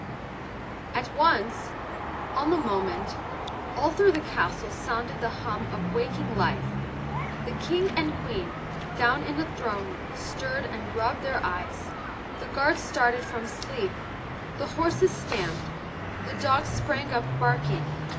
At once—on the moment—all through the castle sounded the hum of waking life. The King and Queen, down in the throne room stirred and rubbed their eyes. The guards started from sleep. The horses stamped, the dogs sprang up barking.